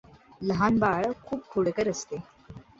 लहान बाळ खूप खोडकर असते.